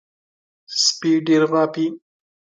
سپي ډېر غاپي .